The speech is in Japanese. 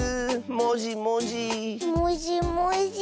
もじもじ。